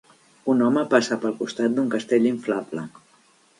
Un home passa pel costat d'un castell inflable.